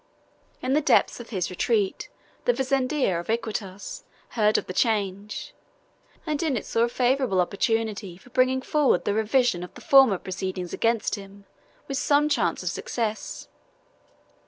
In the depths of his retreat the fazender of Iquitos heard of the change, and in it saw a favorable opportunity for bringing forward the revision of the former proceedings against him with some chance of success.